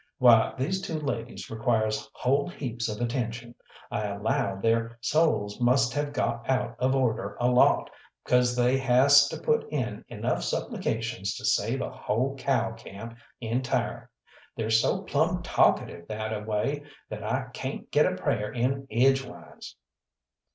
Why, these two ladies requires whole heaps of attention. I allow theyr souls must have got out of order a lot, 'cause they has to put in enough supplications to save a whole cow camp entire. They're so plumb talkative that a way that I cayn't get a prayer in edgeways."